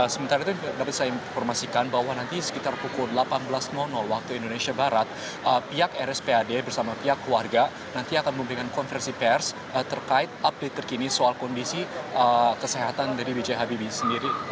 sementara itu dapat saya informasikan bahwa nanti sekitar pukul delapan belas waktu indonesia barat pihak rspad bersama pihak keluarga nanti akan memberikan konversi pers terkait update terkini soal kondisi kesehatan dari b j habibie sendiri